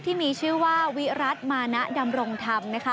ที่มีชื่อว่าวิรัติมานะดำรงธรรมนะคะ